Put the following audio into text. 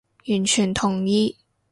完全同意